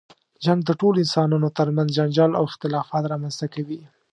جنګ د ټولو انسانانو تر منځ جنجال او اختلافات رامنځته کوي.